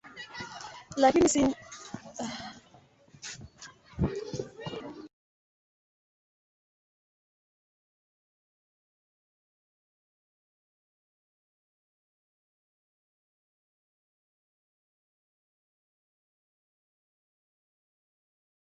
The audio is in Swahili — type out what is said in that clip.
Ugonjwa wa akili hutofautiana kutegemea jinsia.